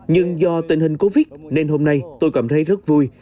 nhưng do tình hình covid nên hôm nay tôi cảm thấy rất vui